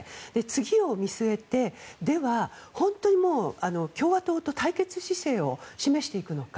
次を見据えてでは、本当に共和党と対決姿勢を示していくのか。